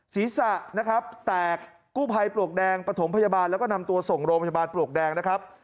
ศีรษะนะครับแตกกู้ภัยปลวกแดงปฐมพยาบาลแล้วก็นำตัวส่งโรงพยาบาลปลวกแดงนะครับ